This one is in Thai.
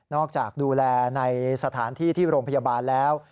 จากดูแลในสถานที่ที่โรงพยาบาลแล้ว